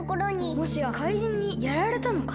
もしやかいじんにやられたのかな？